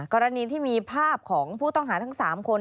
กรณีที่มีภาพของผู้ต้องหาทั้ง๓คน